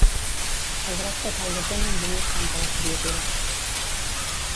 El drac de Caldes de Montbui espanta les criatures